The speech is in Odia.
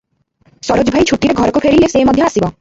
ସରୋଜ ଭାଇ ଛୁଟିରେ ଘରକୁ ଫେରିଲେ ସେ ମଧ୍ୟ ଆସିବ ।"